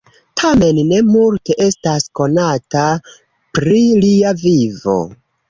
Tamen ne multe estas konata pri lia vivo.